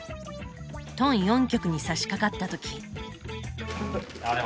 東四局にさしかかった時。